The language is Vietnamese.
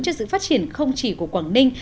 cho sự phát triển không chỉ của quảng ninh